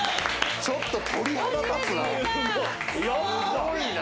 ちょっと鳥肌立つなすごいな！